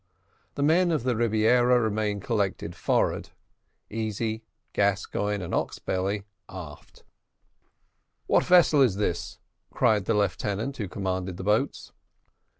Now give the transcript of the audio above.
The men of the Rebiera remained collected forward Easy, Gascoigne, and Oxbelly aft. "What vessel is this?" cried the lieutenant who commanded the boats.